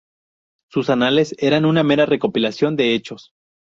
Sus anales eran una mera recopilación de hechos.